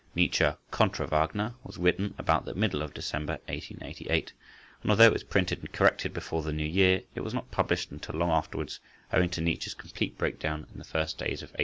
"Nietzsche contra Wagner" was written about the middle of December 1888; but, although it was printed and corrected before the New Year, it was not published until long afterwards owing to Nietzsche's complete breakdown in the first days of 1889.